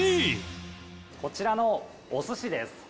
こちらのお寿司です。